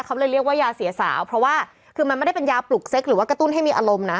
เขาเลยเรียกว่ายาเสียสาวเพราะว่าคือมันไม่ได้เป็นยาปลุกเซ็กหรือว่ากระตุ้นให้มีอารมณ์นะ